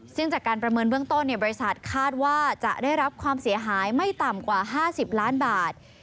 ซึ่งจากการประเมินเบื้องต้นบริษัทคาดว่าจะได้รับความเสียหายไม่ต่ำกว่า๕๐ล้านบาท